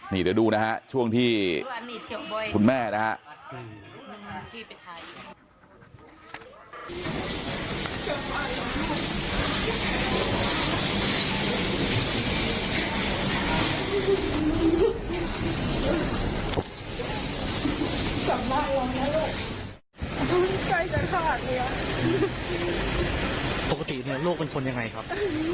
นี่เดี๋ยวดูนะฮะช่วงที่คุณแม่นะฮะ